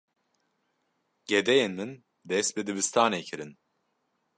Gedeyên min dest bi dibistanê kirin.